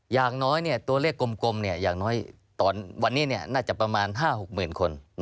อย่างน้อยตัวเลขกลมอย่างน้อยวันนี้น่าจะประมาณ๕๖๐๐๐คน